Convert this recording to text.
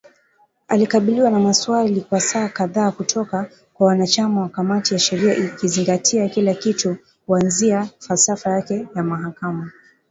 Alikabiliwa na maswali kwa saa kadhaa kutoka kwa wanachama wa kamati ya sheria ikizingatia kila kitu kuanzia falsafa yake ya mahakama